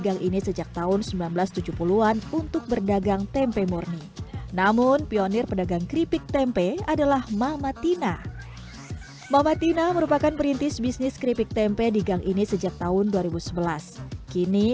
gang ini sejak tahun seribu sembilan ratus tujuh puluh an umurnya berapa tahun